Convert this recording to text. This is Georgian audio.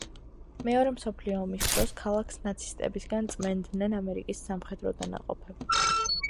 მეორე მსოფლიო ომის დროს ქალაქს ნაცისტებისგან წმენდნენ ამერიკის სამხედრო დანაყოფები.